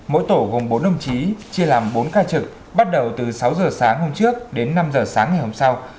mỗi tổ gồm bốn đồng chí chia làm bốn ca trực bắt đầu từ sáu giờ sáng hôm trước đến năm h sáng ngày hôm sau